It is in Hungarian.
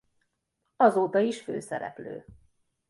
Azóta is főszereplő.